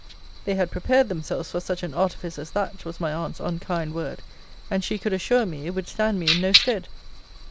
They had prepared themselves for such an artifice as that, was my aunt's unkind word; and she could assure me, it would stand me in no stead.